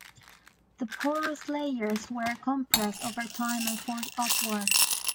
The porous layers were compressed over time and forced upward.